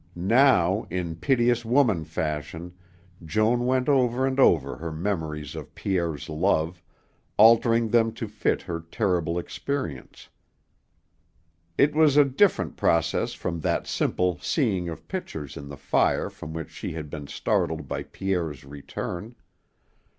Now, in piteous woman fashion, Joan went over and over her memories of Pierre's love, altering them to fit her terrible experience. It was a different process from that simple seeing of pictures in the fire from which she had been startled by Pierre's return.